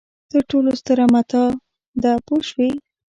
تر ټولو ستره متاع ده پوه شوې!.